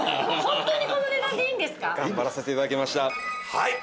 はい。